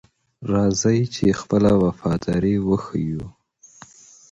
راځئ چې خپله وفاداري وښیو.